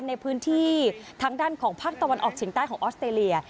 ในพื้นที่ทางด้านของภาคตะวันออกเฉียงใต้ของออสเตรเลีย